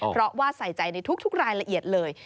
เพราะว่าใส่ใจในทุกรายละเอียดเลย